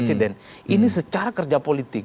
ini secara kerja politik